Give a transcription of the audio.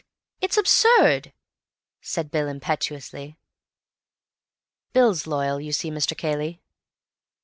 It's absurd," said Bill impetuously. "Bill's loyal, you see, Mr. Cayley."